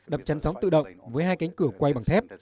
đập chắn sóng tự động với hai cánh cửa quay bằng thép